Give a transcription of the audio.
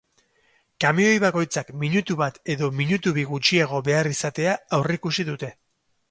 Kamioi bakoitzak minutu bat edo minutu bi gutxiago behar izatea aurreikusi dute.